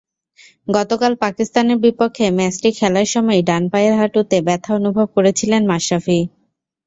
গতকাল পাকিস্তানের বিপক্ষে ম্যাচটি খেলার সময়ই ডান পায়ের হাঁটুতে ব্যথা অনুভব করেছিলেন মাশরাফি।